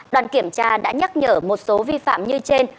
đoàn kiểm tra đã nhắc nhở một số vi phạm như trên